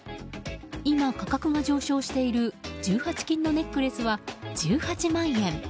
今、価格が上昇している１８金のネックレスは１８万円。